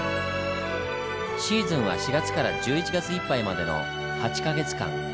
シーズンは４月から１１月いっぱいまでの８か月間。